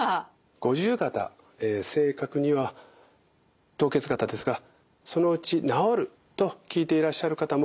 五十肩正確には凍結肩ですがそのうち治ると聞いていらっしゃる方も多いと思います。